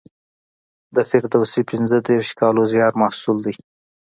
د فردوسي پنځه دېرش کالو زیار محصول دی.